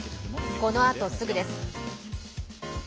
このあとすぐです。